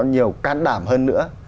nhiều can đảm hơn nữa